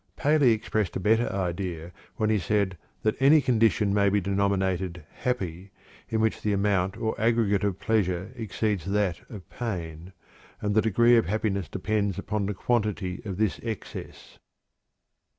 Paley expressed a better idea when he said that "any condition may be denominated 'happy' in which the amount or aggregate of pleasure exceeds that of pain, and the degree of happiness depends upon the quantity of this excess."